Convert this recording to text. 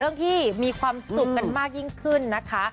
ที่มีความสุขกันมากยิ่งขึ้นนะคะ